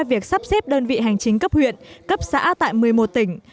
việc sắp xếp đơn vị hành chính cấp huyện cấp xã tại một mươi một tỉnh